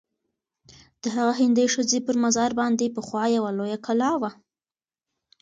د هغه هندۍ ښځي پر مزار باندي پخوا یوه لویه کلا وه.